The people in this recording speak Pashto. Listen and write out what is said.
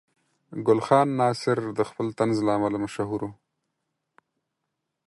ګل خان ناصر د خپل طنز له امله مشهور و.